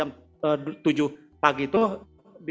jadi kita bisa lihat disini